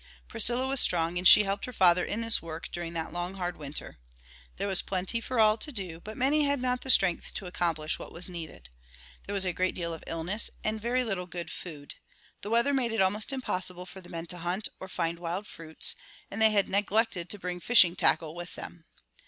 Priscilla was strong and she helped her father in his work during that long hard winter. There was plenty for all to do, but many had not the strength to accomplish what was needed. There was a great deal of illness and very little good food. The weather made it almost impossible for the men to hunt or to find wild fruits, and they had neglected to bring fishing tackle with them.